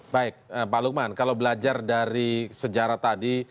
baik pak lukman kalau belajar dari sejarah tadi